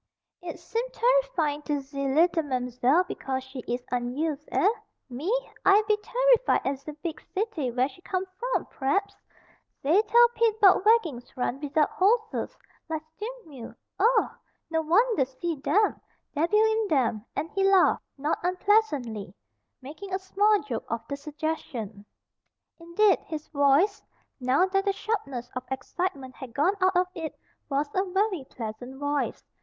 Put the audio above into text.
"Eet seem terrifying to ze leetle Mam'zelle because she is unused eh? Me! I be terrified at ze beeg city where she come from, p'r'aps. Zey tell Pete 'bout waggings run wizout horses, like stea'mill. Ugh! No wanter see dem. Debbil in 'em," and he laughed, not unpleasantly, making a small joke of the suggestion. Indeed his voice, now that the sharpness of excitement had gone out of it, was a very pleasant voice.